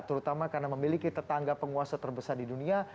terutama karena memiliki tetangga penguasa terbesar di dunia